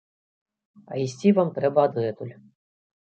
А ісці вам трэба адгэтуль.